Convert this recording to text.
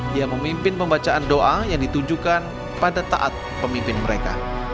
dia memimpin pembacaan doa yang ditunjukkan pada taat pemimpin mereka